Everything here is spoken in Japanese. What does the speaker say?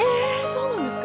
そうなんですか？